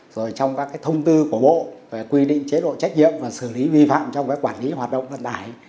rồi trong các thông tư của bộ về quy định chế độ trách nhiệm và xử lý vi phạm trong quản lý hoạt động vận tải